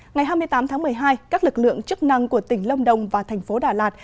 ngày hai mươi tám tháng một mươi hai các lực lượng chức năng của tỉnh lâm đồng và thành phố đà lạt